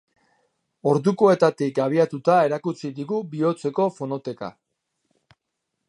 Ordukoetatik abiatuta erakutsi digu bihotzeko fonoteka.